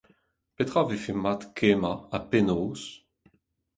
Petra vefe mat kemmañ ha penaos ?